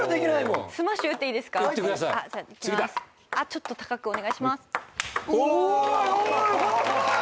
ちょっと高くお願いします。